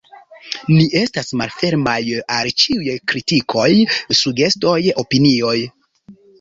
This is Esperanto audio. Ni estas malfermaj al ĉiuj kritikoj, sugestoj, opinioj.